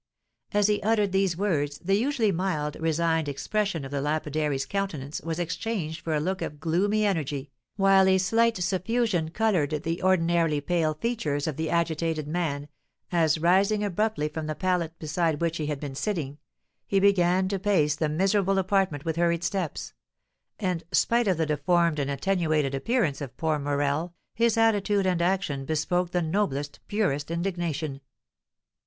As he uttered these words, the usually mild, resigned expression of the lapidary's countenance was exchanged for a look of gloomy energy, while a slight suffusion coloured the ordinarily pale features of the agitated man, as, rising abruptly from the pallet beside which he had been sitting, he began to pace the miserable apartment with hurried steps; and, spite of the deformed and attenuated appearance of poor Morel, his attitude and action bespoke the noblest, purest indignation.